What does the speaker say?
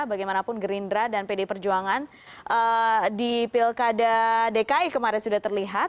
bagaimanapun gerindra dan pd perjuangan di pilkada dki kemarin sudah terlihat